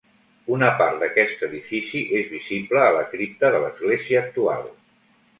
Una part d'aquest edifici és visible a la cripta de l'església actual.